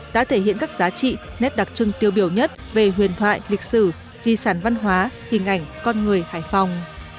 đã thể hiện các giá trị nét đặc trưng tiêu biểu nhất về huyền thoại lịch sử di sản văn hóa hình ảnh con người hải phòng